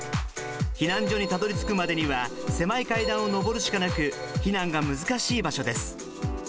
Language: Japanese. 避難所にたどりつくまでには狭い階段を上るしかなく避難が難しい場所です。